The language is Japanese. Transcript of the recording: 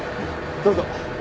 どうぞ。